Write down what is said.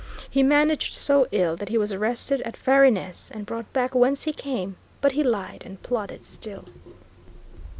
He managed so ill that he was arrested at Varennes, and brought back whence he came, but he lied and plotted still.